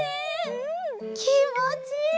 うんきもちいい！